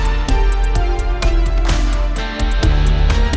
aku sebagai seorang ponsel